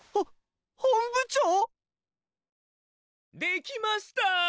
できました！